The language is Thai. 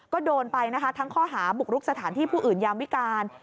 ก็โดนไปนะคะทั้งข้อหาบุกรุกสถานที่ผู้อื่นยามวิการ